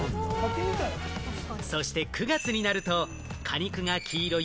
そして９月になると果肉が黄色い